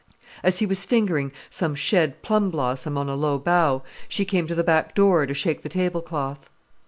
As he was fingering some shed plum blossom on a low bough, she came to the back door to shake the tablecloth.